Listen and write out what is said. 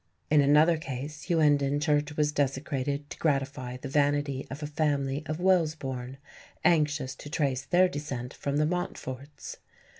In another case Hughenden Church was desecrated to gratify the vanity of a family of Wellesbourne, anxious to trace their descent from the Montforts.